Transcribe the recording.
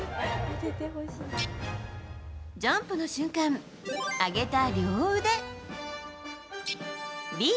Ａ、ジャンプの瞬間上げた両腕。